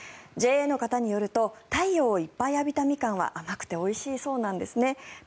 ＪＡの方によると太陽をいっぱい浴びたミカンは甘くておいしいそうなんですね。